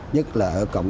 nhất là ở cổng